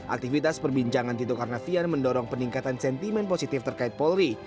aktivitas perbincangan tito karnavian mendorong peningkatan sentimen positif terkait polri